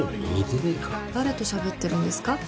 誰としゃべってるんですか？